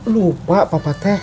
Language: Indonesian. lupa papa teh